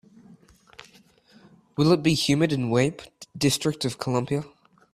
Will it be humid in Weippe District Of Columbia?